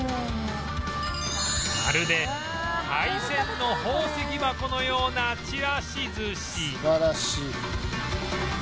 まるで海鮮の宝石箱のようなちらし寿司素晴らしい。